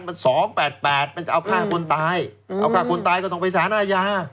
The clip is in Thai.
มัน๒๘๘มันจะเอาฆ่าคนตายเอาฆ่าคนตายก็ต้องไปสารอาญา